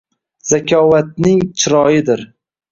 Zakovatning chiroyidir.